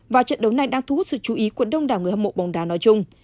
và trận đấu này đang thu hút sự chú ý của đông đảo người hâm mộ bóng đá nói chung